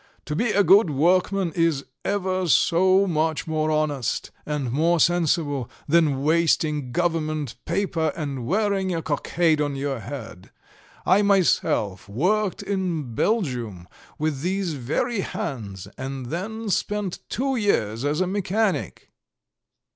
"To be a good workman is ever so much more honest and more sensible than wasting government paper and wearing a cockade on your head. I myself worked in Belgium with these very hands and then spent two years as a mechanic.